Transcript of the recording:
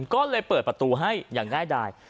ก็เลยเปิดประตูให้อย่างง่ายดาย